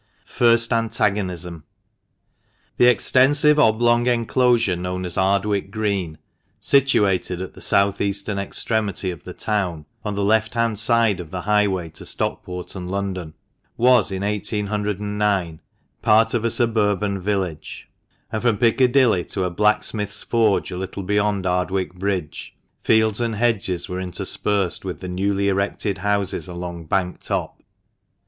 FIRST ANTAGONISM. HE extensive oblong enclosure . known as Ardwick Green, situated at the south eastern extremity of the town, on the left hand side of the highway to Stockport and London, was, in 1809, part of a suburban village, and from Piccadilly to a blacksmith's forge a little beyond Ardwick Bridge, fields and hedges were interspersed with the newly erected houses along Bank Top.